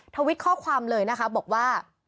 ทวิตข้อความเลยนะคะบอกว่า